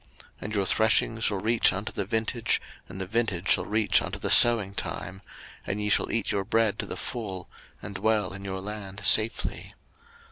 03:026:005 And your threshing shall reach unto the vintage, and the vintage shall reach unto the sowing time: and ye shall eat your bread to the full, and dwell in your land safely.